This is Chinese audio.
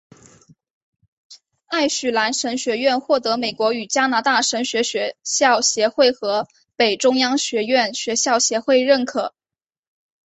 爱许兰神学院或得美国与加拿大神学学校协会和北中央学院学校协会认可。